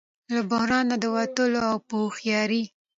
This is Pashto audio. له بحران نه د وتلو او په هوښیارۍ